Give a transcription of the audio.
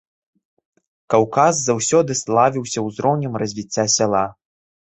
Каўказ заўсёды славіўся узроўнем развіцця сяла.